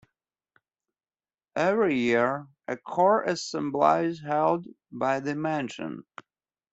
Every year a choir assembly is held by the mansion.